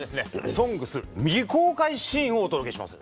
「ＳＯＮＧＳ」未公開シーンをお届けします。